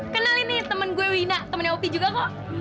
kenalin nih temen gue wina temennya oki juga kok